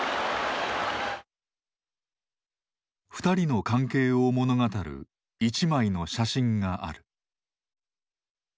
２人の関係を物語る１枚の写真がある。